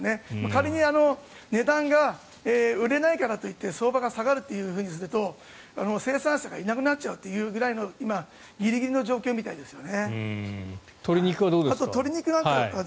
仮に値段が売れないからといって相場が下がるとすると生産者がいなくなっちゃうという今、ギリギリの状況みたいですよね。